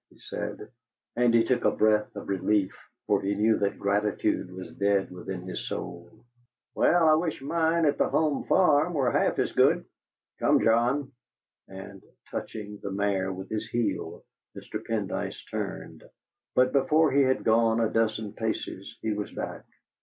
he said; and he took a breath of relief, for he knew that gratitude was dead within his soul. "Well, I wish mine at the home farm were half as good. Come, John!" and, touching the mare with his heel, Mr. Pendyce turned; but before he had gone a dozen paces he was back.